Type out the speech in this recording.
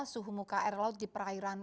suhu muka air laut di perairan